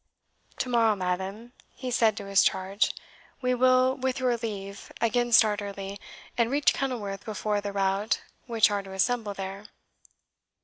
"To morrow, madam," he said to his charge, "we will, with your leave, again start early, and reach Kenilworth before the rout which are to assemble there."